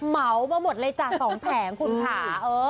เหมามาหมดเลยจ้ะ๒แผงคุณค่ะ